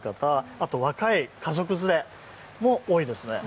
あと若い家族連れも多いです。